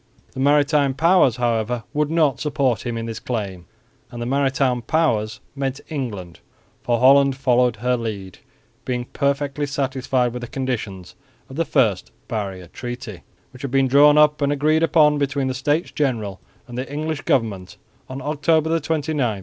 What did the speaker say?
The maritime powers, however, would not support him in this claim; and the maritime powers meant England, for Holland followed her lead, being perfectly satisfied with the conditions of the First Barrier Treaty, which had been drawn up and agreed upon between the States General and the English government on October 29, 1709.